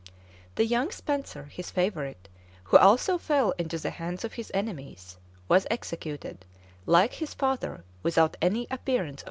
The younger Spenser, his favorite, who also fell into the hands of his enemies, was executed, like his father, without any appearance of a legal trial.